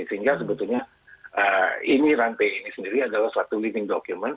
sehingga sebetulnya ini rantai ini sendiri adalah suatu living document